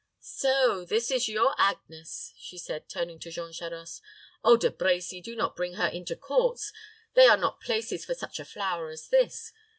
"So this is your Agnes," she said, turning to Jean Charost. "Oh, De Brecy, do not bring her into courts. They are not places for such a flower as this.